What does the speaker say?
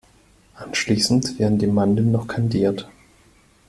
Anschließend werden die Mandeln noch kandiert.